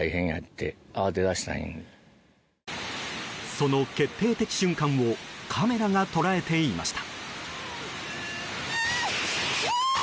その決定的瞬間をカメラが捉えていました。